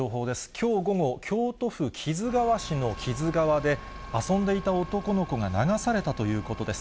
きょう午後、京都府木津川市の木津川で、遊んでいた男の子が流されたということです。